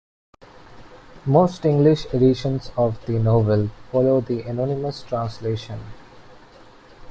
Most English editions of the novel follow the anonymous translation.